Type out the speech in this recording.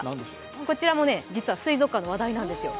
こちらも実は水族館の話題なんですよ。